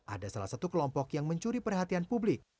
ada salah satu kelompok yang mencuri perhatian publik